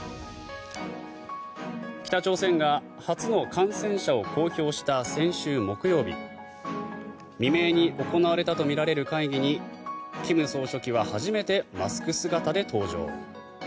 北朝鮮が初の感染者を公表した先週木曜日未明に行われたとみられる会議に金総書記は初めてマスク姿で登場。